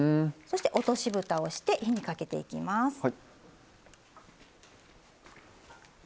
そして落としぶたをして火にかけていきます。